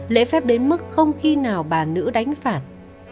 lễ phép đến mức không khi nào bà nữ đánh phản